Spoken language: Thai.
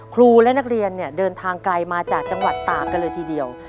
ครูและนักเรียนเนี่ยเดินทางไกลมาจากจังหวัดตากกันเลยทีเดียว